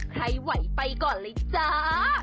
ใครไหวไปก่อนเลยจ้า